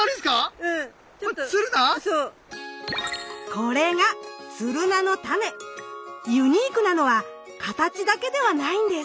これがユニークなのは形だけではないんです。